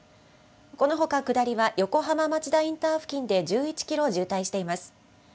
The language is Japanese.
このほか下りは、横浜町田インターで１１キロ渋滞しています。